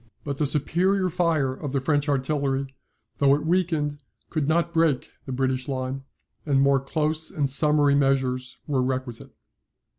But the superior fire of the French artillery, though it weakened, could not break the British line, and more close and summary measures were requisite.